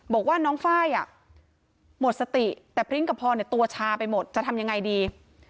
บอกว่าน้องไฟล์หมดสติแต่พริ้งกับพรตัวชาไปหมดจะทำยังไงดี